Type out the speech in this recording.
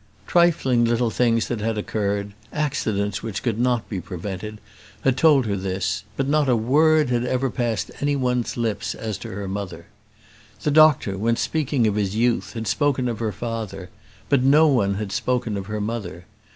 Trifling little things that had occurred, accidents which could not be prevented, had told her this; but not a word had ever passed any one's lips as to her mother. The doctor, when speaking of his youth, had spoken of her father; but no one had spoken of her mother.